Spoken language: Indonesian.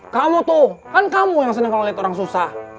kamu tuh kan kamu yang seneng kalo liat orang susah